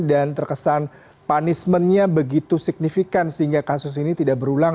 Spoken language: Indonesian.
dan terkesan punishmentnya begitu signifikan sehingga kasus ini tidak berulang